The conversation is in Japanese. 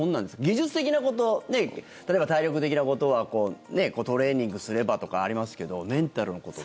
技術的なこと例えば、体力的なことはトレーニングすればとかありますけど、メンタルのこと。